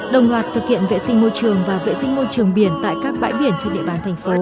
đồng loạt thực hiện vệ sinh môi trường và vệ sinh môi trường biển tại các bãi biển trên địa bàn thành phố